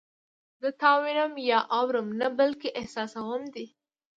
زه تا وینم یا اورم نه بلکې احساسوم دې